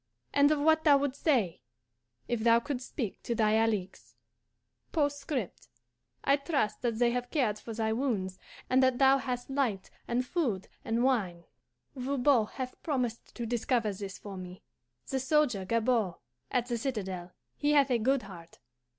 and of what thou wouldst say if thou couldst speak to thy ALIXE. "Postscript. I trust that they have cared for thy wounds, and that thou hast light and food and wine. Voban hath promised to discover this for me. The soldier Gabord, at the citadel, he hath a good heart.